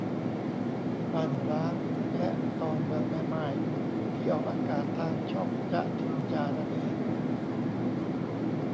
บ้านร้าง และตอน เมืองแม่ม่าย ที่ออกอากาศทางช่องจ๊ะทิงจานั่นเอง